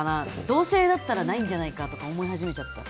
同性だったらないんじゃないかと思い始めちゃった。